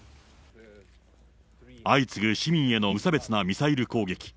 相次ぐ市民への無差別なミサイル攻撃。